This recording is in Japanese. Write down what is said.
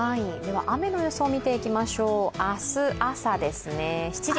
雨の予想を見ていきましょう、明日朝ですね、７時。